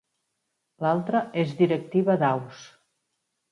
L'altra és Directiva d'Aus.